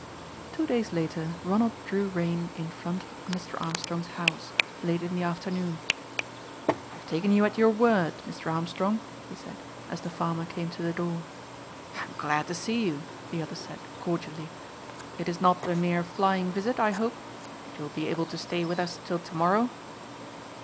Two days later Ronald drew rein in front of Mr. Armstrong's house, late in the afternoon. "I have taken you at your word, Mr. Armstrong," he said, as the farmer came to the door. "I am glad to see you," the other said, cordially. "It is not a mere flying visit, I hope; but you will be able to stay with us till to morrow?"